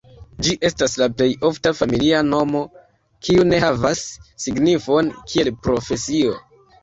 Ĝi estas la plej ofta familia nomo kiu ne havas signifon kiel profesio.